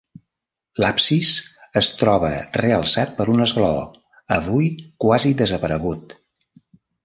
L'absis es troba realçat per un esglaó, avui quasi desaparegut.